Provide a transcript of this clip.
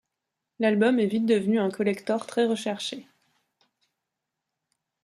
L'album est vite devenu un collector très recherché.